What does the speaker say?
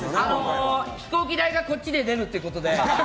飛行機代がこっちで出るということで。